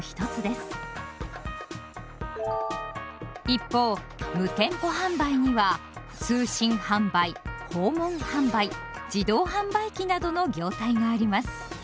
一方「無店舗販売」には通信販売訪問販売自動販売機などの業態があります。